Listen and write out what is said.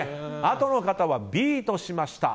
あとの方はＢとしました。